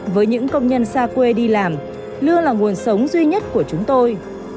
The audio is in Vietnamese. với những công nhân xa quê đi làm luôn là nguồn sống duy nhất của chúng tôi